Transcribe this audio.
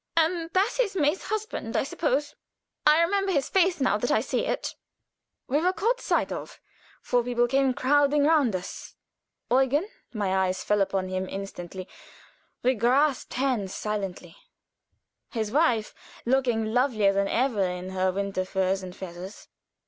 And that is May's husband, I suppose. I remember his face now that I see it." We had been caught sight of. Four people came crowding round us. Eugen my eyes fell upon him first we grasped hands silently. His wife, looking lovelier than ever in her winter furs and feathers.